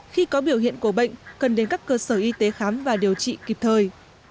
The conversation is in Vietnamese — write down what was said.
khi có biểu hiện của bệnh cần đến các cơ sở y tế khám và điều trị kịp thời